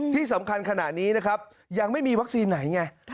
ที่สำคัญขณะนี้นะครับยังไม่มีวัคซีนไหนไง